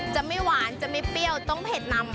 จะไม่หวานจะไม่เปรี้ยวต้องเผ็ดนำ